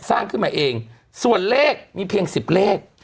สร้างขึ้นมาเองส่วนเลขมีเพียง๑๐เลข